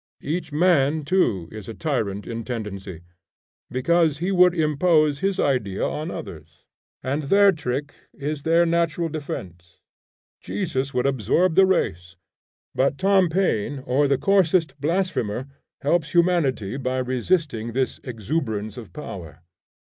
Each man too is a tyrant in tendency, because he would impose his idea on others; and their trick is their natural defence. Jesus would absorb the race; but Tom Paine or the coarsest blasphemer helps humanity by resisting this exuberance of power.